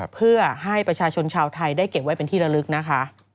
เพื่อให้ประชาชนชาวไทยได้เก็บไว้เป็นที่ระลึกนะคะ